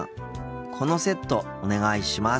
このセットお願いします。